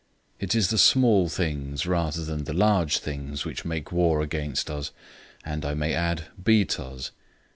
It is the small things rather than the large things which make war against us and, I may add, beat us.